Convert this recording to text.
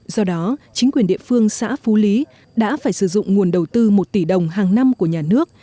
do đó chính quyền địa phương xã phú lý đã phải sử dụng nguồn đầu tư một tỷ đồng hàng năm của nhà nước